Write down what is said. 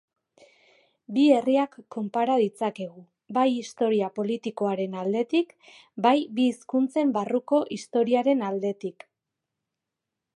Bi herriak konpara ditzakegu bai historia politikoaren aldetik, bai bi hizkuntzen barruko historiaren aldetik.